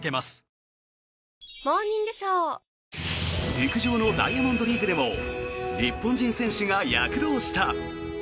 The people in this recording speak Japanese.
陸上のダイヤモンドリーグでも日本人選手が躍動した。